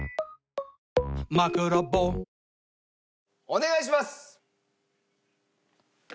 お願いします！